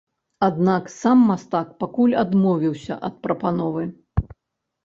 Аднак сам мастак пакуль адмовіўся ад прапановы.